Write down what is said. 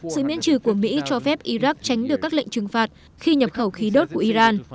sự miễn trừ của mỹ cho phép iraq tránh được các lệnh trừng phạt khi nhập khẩu khí đốt của iran